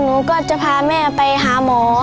หนูก็จะพาแม่ไปหาหมอ